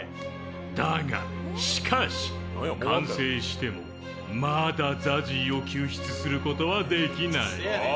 だが、しかし、完成してもまだＺＡＺＹを救出することはできない。